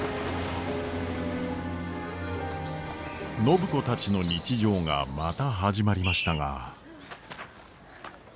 暢子たちの日常がまた始まりましたが。